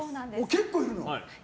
結構いるの？